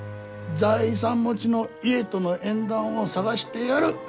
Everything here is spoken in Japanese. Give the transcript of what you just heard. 財産持ちの家との縁談を探してやる。